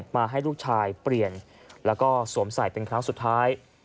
มาให้ลูกชายเปลี่ยนแล้วก็สวมใส่เป็นครั้งสุดท้าย